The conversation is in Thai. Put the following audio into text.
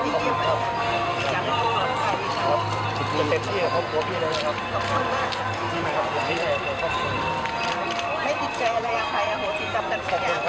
ไม่ติดเจออะไรอาทิตย์เอาโหทิตย์กลับกันครับ